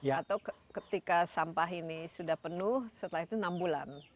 atau ketika sampah ini sudah penuh setelah itu enam bulan